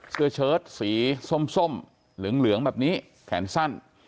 เสื้อเชิ้ตสีส้มเหลืองแบบนี้แขนสั้น